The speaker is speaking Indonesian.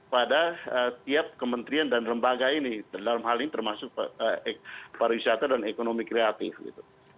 pada tiap kementerian dan lembaga ini dalam hal ini termasuk pariwisata dan ekonomi kreatif gitu